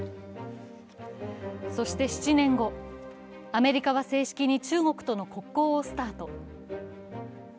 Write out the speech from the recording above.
そして７年後、アメリカは正式に中国との国交をスタート。